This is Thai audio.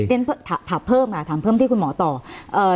เต้นทะผ่าเพิ่มค่ะถามเพิ่มพี่ท่านที่คุณหมอตอบ